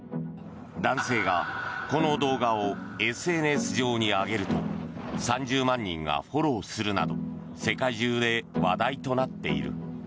男性がこの動画をＳＮＳ上に上げると３０万人がフォローするなど世界中で話題となっている。